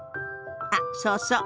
あっそうそう。